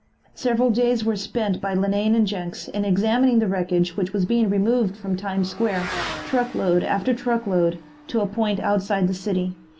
Several days were spent by Linane and Jenks in examining the wreckage which was being removed from Times Square, truckload after truckload, to a point outside the city.